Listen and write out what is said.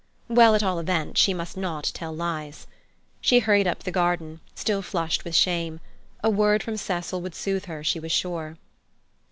Well, at all events, she must not tell lies. She hurried up the garden, still flushed with shame. A word from Cecil would soothe her, she was sure.